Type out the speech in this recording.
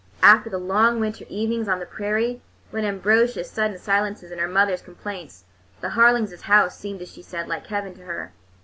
After the long winter evenings on the prairie, with Ambrosch's sullen silences and her mother's complaints, the Harlings' house seemed, as she said, "like Heaven" to her.